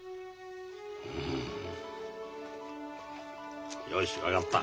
うん。よし分かった。